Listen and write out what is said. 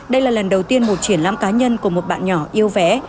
đây là lần đầu tiên một triển lãm cá nhân của một bạn nhỏ yêu vẽ